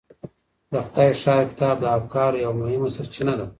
د خدای ښار کتاب د افکارو یوه مهمه سرچینه ده.